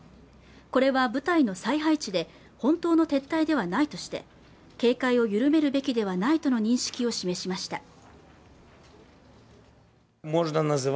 これは部隊の再配置で本当の撤退ではないとして警戒を緩めるべきではないとの認識を示しました